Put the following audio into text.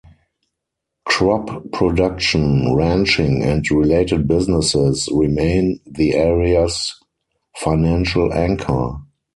Crop production, ranching, and related businesses remain the area's financial anchor.